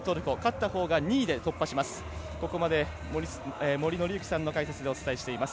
ここまで森紀之さんの解説でお伝えしています。